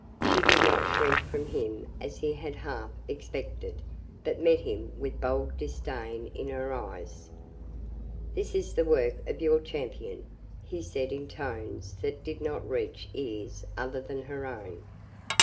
She did not shrink from him as he had half expected, but met him with bold disdain in her eyes. "This is the work of your champion," he said in tones that did not reach ears other than her own.